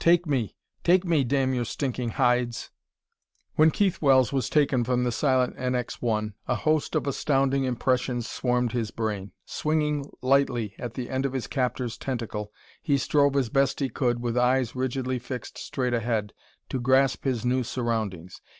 Take me! Take me, damn your stinking hides!" When Keith Wells was taken from the silent NX 1, a host of astounding impressions swarmed his brain. Swinging lightly at the end of his captor's tentacle, he strove as best he could, with eyes rigidly fixed straight ahead, to grasp his new surroundings.